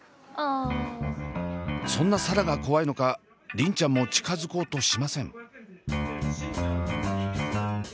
そんな紗蘭が怖いのか梨鈴ちゃんも近づこうとしません。